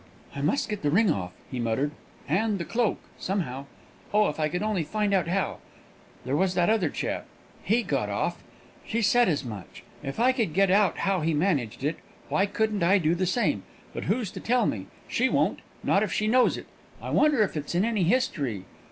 "I must get the ring off," he muttered, "and the cloak, somehow. Oh! if I could only find out how There was that other chap he got off; she said as much. If I could get out how he managed it, why couldn't I do the same? But who's to tell me? She won't not if she knows it! I wonder if it's in any history.